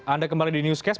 anda kembali di newscast